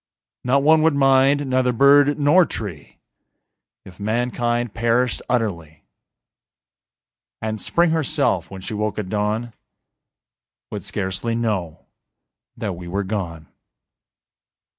Not one would mind, neither bird nor tree If mankind perished utterly; And Spring herself, when she woke at dawn, Would scarcely know that we were gone.